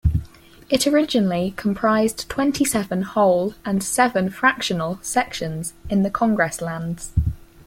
It originally comprised twenty-seven whole and seven fractional sections in the Congress Lands.